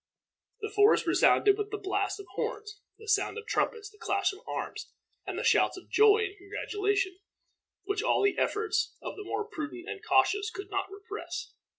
The forest resounded with the blasts of horns, the sound of the trumpets, the clash of arms, and the shouts of joy and congratulation, which all the efforts of the more prudent and cautious could not repress.